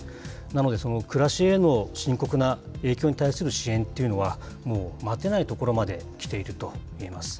なので、暮らしへの深刻な影響に対する支援というのは、もう待てないところまで来ているといえます。